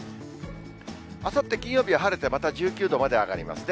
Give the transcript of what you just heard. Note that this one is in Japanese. あさって金曜日は晴れてまた１９度まで上がりますね。